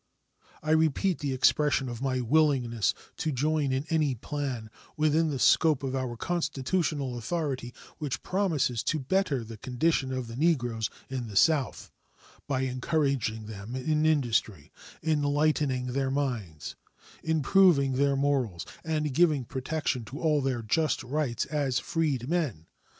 I repeat the expression of my willingness to join in any plan within the scope of our constitutional authority which promises to better the condition of the Negroes in the South, by encouraging them in industry, enlightening their minds, improving their morals, and giving protection to all their just rights as freedmen.